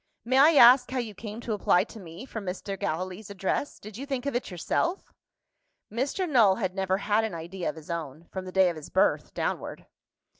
"May I ask how you came to apply to me for Mr. Gallilee's address? Did you think of it yourself?" Mr. Null had never had an idea of his own, from the day of his birth, downward.